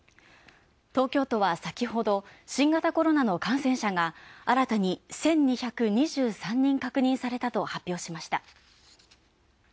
東京都は先ほど、新型コロナの感染者が新たに１２２３人確認されたと発表しました。